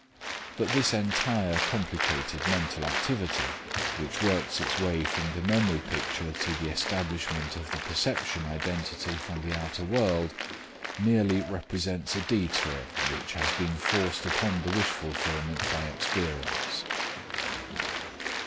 But this entire complicated mental activity which works its way from the memory picture to the establishment of the perception identity from the outer world merely represents a detour which has been forced upon the wish fulfillment by experience.